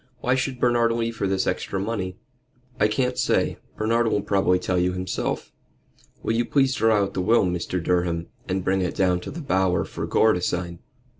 "Why should Bernard leave her this extra money?" "I can't say. Bernard will probably tell you himself. Will you please draw out the will, Mr. Durham, and bring it down to the Bower for Gore to sign?"